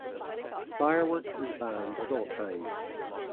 Fireworks is banned at all times.